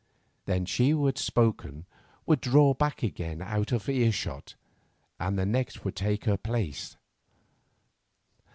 Then she who had spoken would draw back again out of earshot, and the next would take her place.